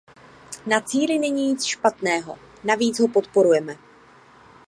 Na cíli není nic špatného; navíc ho podporujeme.